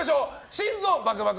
心臓バクバク！